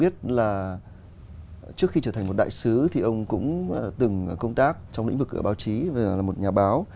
trước khi trở thành một đại sứ thì ông cũng từng công tác trong lĩnh vực báo chí về là một nhà báo